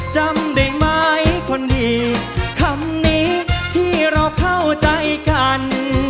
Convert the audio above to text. จำได้ไหมคนดีคำนี้ที่เราเข้าใจกัน